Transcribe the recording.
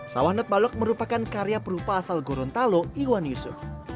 sawah not balok merupakan karya perupa asal gorontalo iwan yusuf